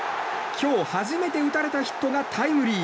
今日初めて打たれたヒットがタイムリー。